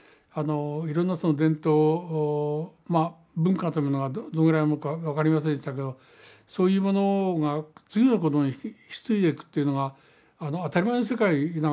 いろんな伝統文化というものがどのぐらいのものか分かりませんでしたけどそういうものが次の子供に引き継いでいくというのが当たり前の世界なわけですよね。